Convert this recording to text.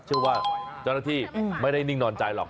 เชื่อว่าเจ้าหน้าที่ไม่ได้นิ่งนอนใจหรอก